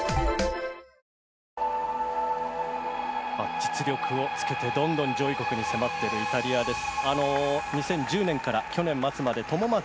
実力をつけて、どんどん上位国に迫っているイタリアです。